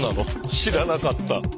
知らなかった。